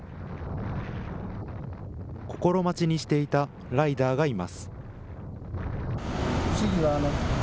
心待ちにしていたライダーがいます。